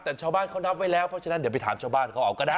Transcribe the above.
แต่ชาวบ้านเขานับไว้แล้วเพราะฉะนั้นเดี๋ยวไปถามชาวบ้านเขาเอาก็ได้